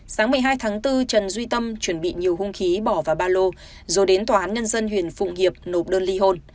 sáng một mươi hai tháng bốn trần duy tâm chuẩn bị nhiều hung khí bỏ vào ba lô rồi đến tòa án nhân dân huyện phụng hiệp nộp đơn ly hôn